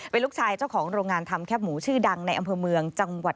เป็นลูกชายเจ้าของโรงงานทำแคบหมูชื่อดังในอำเภอเมืองจังหวัด